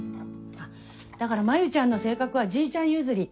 だから真夢ちゃんの性格はじいちゃん譲り。